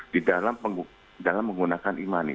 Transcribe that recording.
di dalam menggunakan imani